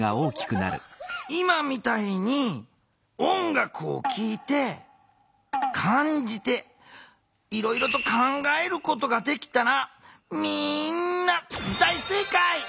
今みたいに音楽を聴いて感じていろいろと考えることができたらみんな大正解！